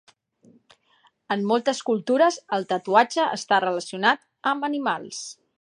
En moltes cultures el tatuatge està relacionat amb animals.